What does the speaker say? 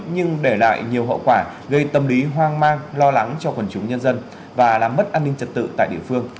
nhưng để lại nhiều hậu quả gây tâm lý hoang mang lo lắng cho quần chúng nhân dân và làm mất an ninh trật tự tại địa phương